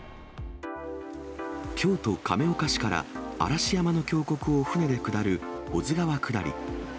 京都・亀岡市から嵐山の峡谷を船で下る保津川下り。